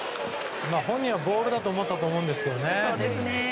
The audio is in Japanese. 本人はボールだと思ったと思うんですけどね。